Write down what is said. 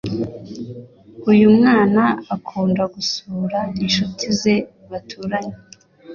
Uyumwana akunda gusura inshuti ze baturanye